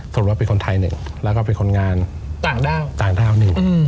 สมมุติว่าเป็นคนไทยหนึ่งแล้วก็เป็นคนงานต่างด้าวนี่